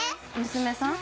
娘さん？